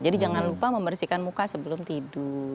jadi jangan lupa membersihkan muka sebelum tidur